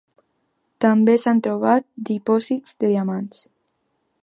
També s'han trobat dipòsits de diamants.